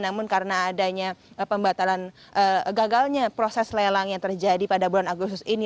namun karena adanya pembatalan gagalnya proses lelang yang terjadi pada bulan agustus ini